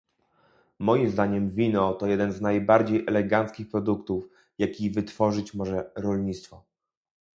Moim zdaniem wino to jeden z najbardziej eleganckich produktów, jaki wytworzyć może rolnictwo